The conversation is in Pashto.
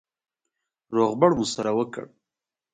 روغبړ مو سره وکړ.